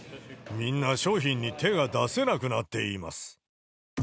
みんな商品に手が出せなくなっています。